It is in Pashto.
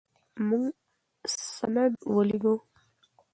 موږ سند ولېږه.